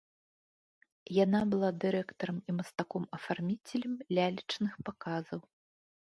Яна была дырэктарам і мастаком-афарміцелем лялечных паказаў.